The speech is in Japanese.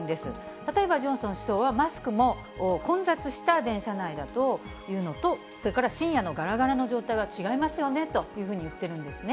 例えばジョンソン首相は、マスクも混雑した電車内だというのと、それから深夜のがらがらの状態は違いますよねというふうに言っているんですね。